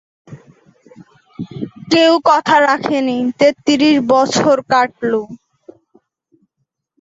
কসোভোয় জাতিসংঘ দিবস উপলক্ষে "অন্তর্বর্তীকালীন প্রশাসন" সরকারীভাবে ছুটি ঘোষণা করে।